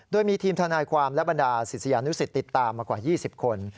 โดยมีทีมธนาความและบัญดาศิสยนต์นู้จสิทธิติตามมากว่า๒๐คน